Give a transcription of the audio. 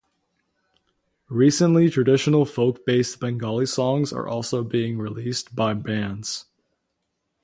Recently, traditional folk-based Bengali songs are also being released by bands.